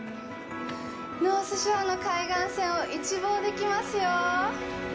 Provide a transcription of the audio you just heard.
ノースショアの海岸線を一望できますよ！